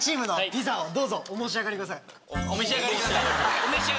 お召し上がりください！